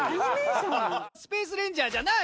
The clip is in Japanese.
「スペースレンジャーじゃない」